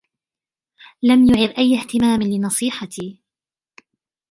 لم يعر أي اهتمام لنصيحتي.